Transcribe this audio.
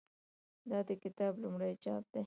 دا د کتاب لومړی چاپ دی.